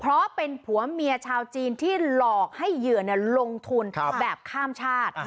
เพราะเป็นผัวเมียชาวจีนที่หลอกให้เหยื่อลงทุนแบบข้ามชาติ